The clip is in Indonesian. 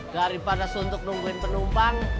daripada suntuk nungguin penumpang